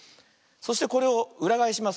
そしてこれをうらがえします。